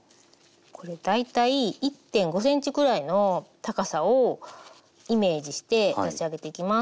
これ大体１．５ｃｍくらいの高さをイメージして立ち上げていきます。